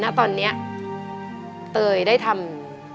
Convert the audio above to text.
นั้นตอนเนี้ยเต๋ยได้ทำ